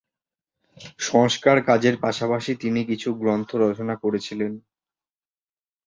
সংস্কার কাজের পাশাপাশি তিনি কিছু গ্রন্থ রচনা করেছিলেন।